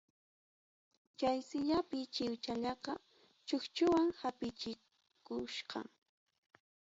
Chaysiya pichiwchallaqa, chukchuwan hapichikuchkan.